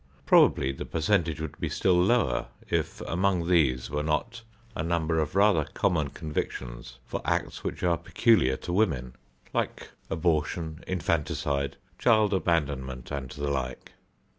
Probably the percentage would be still lower if among these were not a number of rather common convictions for acts which are peculiar to women, like abortion, infanticide, child abandonment and the like.